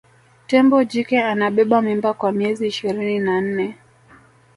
tembo jike anabeba mimba kwa miezi ishirini na nne